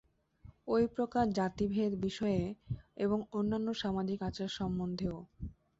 ঐ প্রকার জাতিভেদ-বিষয়ে এবং অন্যান্য সামাজিক আচার সম্বন্ধেও।